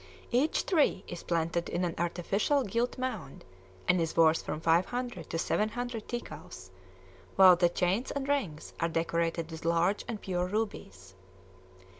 Each tree is planted in an artificial gilt mound, and is worth from five hundred to seven hundred ticals, while the chains and rings are decorated with large and pure rubies.